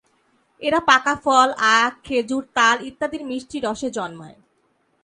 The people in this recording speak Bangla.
এরা পাকা ফল, আখ, খেজুর, তাল ইত্যাদির মিষ্টি রসে জন্মায়।